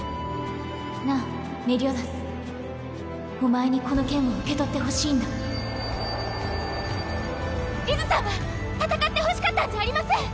なあメリオダスお前にこの剣を受け取ってほしいんだリズさんは戦ってほしかったんじゃありません！